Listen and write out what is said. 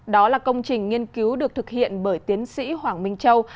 đó là công trình nghiên cứu được thực hiện bởi tiến sĩ hoàng minh châu